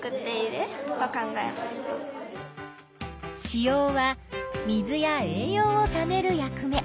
子葉は水や栄養をためる役目。